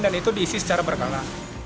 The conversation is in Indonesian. dan itu diisi secara berkala